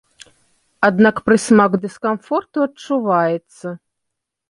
Аднак прысмак дыскамфорту адчуваецца.